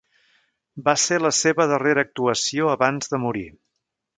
Va ser la seva darrera actuació abans de morir.